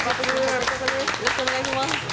よろしくお願いします。